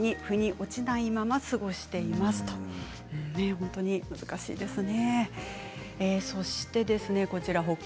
本当に難しいですね。